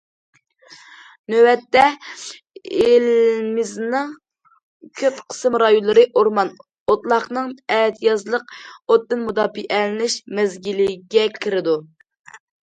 نۆۋەتتە، ئېلىمىزنىڭ كۆپ قىسىم رايونلىرى ئورمان، ئوتلاقنىڭ ئەتىيازلىق ئوتتىن مۇداپىئەلىنىش مەزگىلىگە كىرىدۇ.